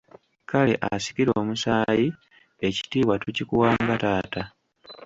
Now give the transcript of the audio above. Kale asikira omusaayi ekitiibwa tukikuwa nga taata.